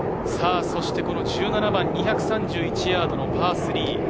１７番、２３１ヤードのパー３。